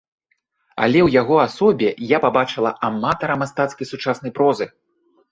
Але ў яго асобе я пабачыла аматара мастацкай сучаснай прозы.